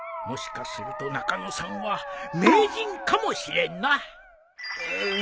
もしかすると中野さんは名人かもしれんな。